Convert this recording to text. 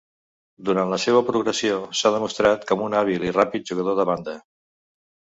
Durant la seua progressió, s'ha demostrat com un hàbil i ràpid jugador de banda.